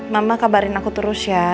mama kabarin aku terus ya